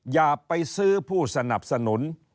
อย่าไปซื้อผู้สนับสนุน